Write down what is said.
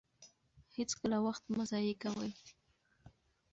هېڅکله وخت مه ضایع کوئ.